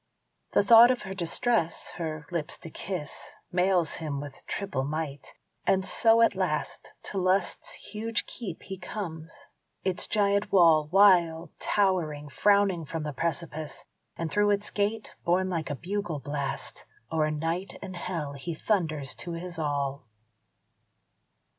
The thought of her distress, her lips to kiss, Mails him with triple might; and so at last To Lust's huge keep he comes; its giant wall, Wild towering, frowning from the precipice; And through its gate, borne like a bugle blast, O'er night and hell he thunders to his all.